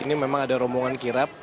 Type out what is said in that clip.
ini memang ada rombongan kirap